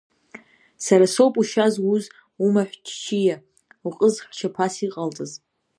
Сара соуп ушьа зуз, умаҳә ччиа, уҟызхьча ԥас иҟалҵаз.